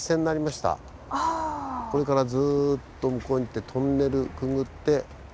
これからずっと向こうに行ってトンネルくぐって。